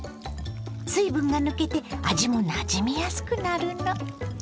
水分が抜けて味もなじみやすくなるの。